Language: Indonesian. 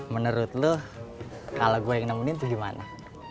menurut lo kalau gue yang nemenin tuh gimana